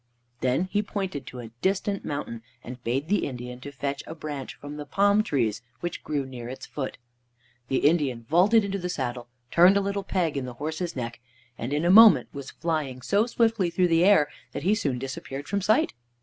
Then he pointed to a distant mountain, and bade the Indian to fetch a branch from the palm trees which grew near its foot. The Indian vaulted into the saddle, turned a little peg in the horse's neck, and in a moment was flying so swiftly through the air that he soon disappeared from sight.